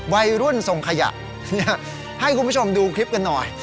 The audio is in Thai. วัยรุ่นส่งขยะให้คุณผู้ชมดูคลิปกันหน่อย